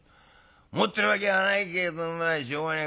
持ってるわけはないけれどお前しょうがねえ